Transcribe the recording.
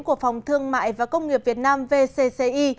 của phòng thương mại và công nghiệp việt nam vcci